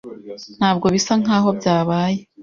Ntabwo bisa nkaho byabaye.